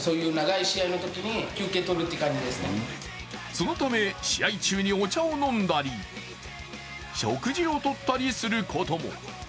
そのため試合中にお茶を飲んだり食事をとったりすることも。